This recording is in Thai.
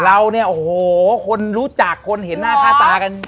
เราเนี่ยโอ้โหคนรู้จักคนเห็นหน้าค่าตากัน